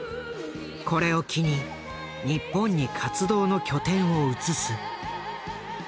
これを機に日本に活動の拠点を移す。